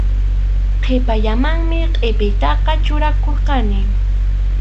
Qhipallamanmi qʼipiytaqa churakurqani.